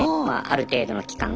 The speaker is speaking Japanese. ある程度の期間